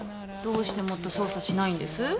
どうしてもっと捜査しないんです？